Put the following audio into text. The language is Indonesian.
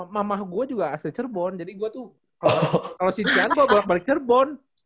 mama gue juga asli cirebon jadi gue tuh kalau si dian gue balik balik cirebon